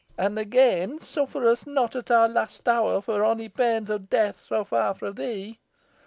An again, 'Suffer us not at our last hour, for onny pains o' death, to fa' fro thee.'